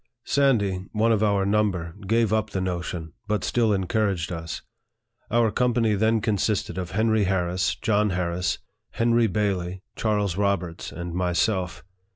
Sandy, one of our number, gave up the notion, but still encouraged us. Our company then consisted of Henry Harris, John Harris, Henry Bailey, Charles Roberts, and myself.